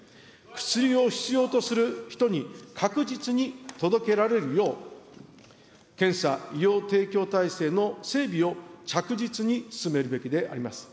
薬を必要とする人に、確実に届けられるよう、検査、医療提供体制の整備を着実に進めるべきであります。